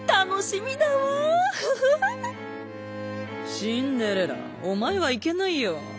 「シンデレラおまえはいけないよ！